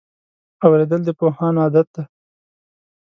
اورېدل د پوهانو عادت دی.